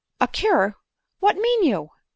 " A cure !— what mean you ?